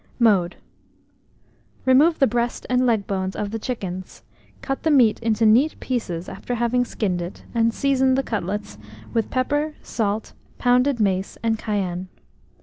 Mode. Remove the breast and leg bones of the chickens; cut the meat into neat pieces after having skinned it, and season the cutlets with pepper, salt, pounded mace, and cayenne.